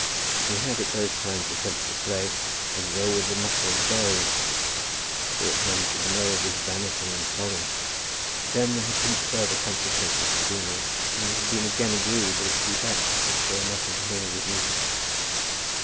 He had at those times attempted to play, as though with a muffled bow, so that none should know of his vanity and folly. Then there had been further consultations at the deanery, and it had been again agreed that it would be best to say nothing to him of his music.